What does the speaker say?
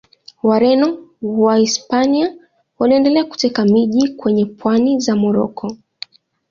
Wareno wa Wahispania waliendelea kuteka miji kwenye pwani za Moroko.